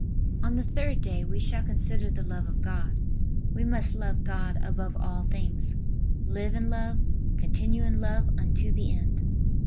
On the third day we shall consider the love of God. We must love God above all things, live in love, continue in love unto the end.